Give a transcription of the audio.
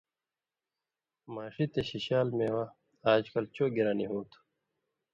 ماݜی تے شِشال مېوہ آژ کل چو گرانی ہُو تُھو